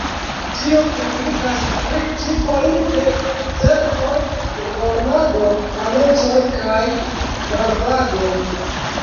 Tio implikas tri tipojn de servoj: informado, anoncoj kaj varbado.